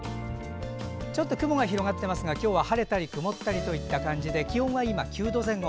ちょっと雲が広がっていますが今日は晴れたり曇ったりという感じで気温は今、９度前後。